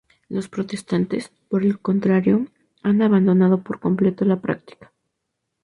Los protestantes, por el contrario, han abandonado por completo la práctica.